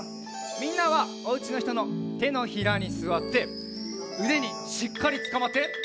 みんなはおうちのひとのてのひらにすわってうでにしっかりつかまって。